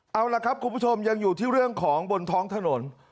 เอาล่ะครับคุณผู้ชมยังอยู่ที่เรื่องของบนท้องถนน